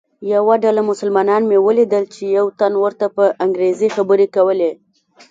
یوه ډله مسلمانان مې ولیدل چې یوه تن ورته په انګریزي خبرې کولې.